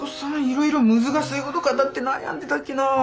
いろいろ難しいごと語って悩んでだっけなあ。